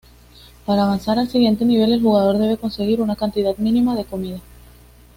Para avanzar al siguiente nivel el jugador debe conseguir una cantidad mínima de comida.